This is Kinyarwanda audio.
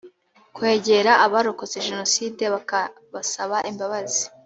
kwegera abarokotse jenoside bakabasaba imbabazi